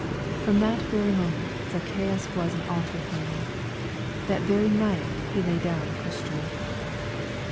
From that I very moment Zacch83us was an altered man. That very night he lay down a Christian.